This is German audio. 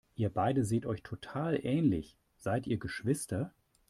Ihr beide seht euch total ähnlich, seid ihr Geschwister?